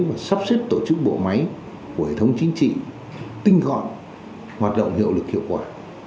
và sắp xếp tổ chức bộ máy của hệ thống chính trị tinh gọn hoạt động hiệu lực hiệu quả